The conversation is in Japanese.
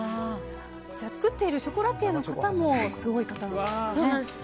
作っているショコラティエの方もすごい方なんですよね。